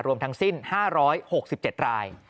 รวมทั้งสิ้น๕๖๗ราย